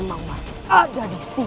kian santang masih ada di sekitar sini